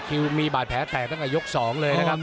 คิวมีบาดแผนแตกตั้งแต่ยกสองเลยนะครับอ่อ